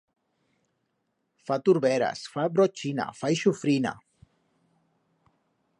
Fa turberas, fa brochina, fa ixufrina.